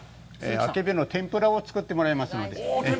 あけびの天ぷらを作ってもらいますので。